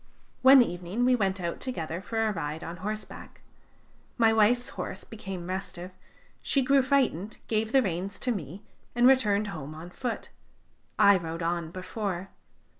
"One evening we went out together for a ride on horseback. My wife's horse became restive; she grew frightened, gave the reins to me, and returned home on foot. I rode on before.